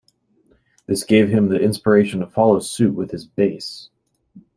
This gave him the inspiration to follow suit with his bass.